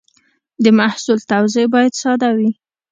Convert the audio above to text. د محصول توضیح باید ساده وي.